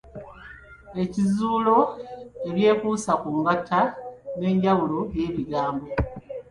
Ebizuulo ebyekuusa ku ngatta n’enjawula y’ebigambo.